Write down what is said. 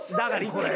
これ。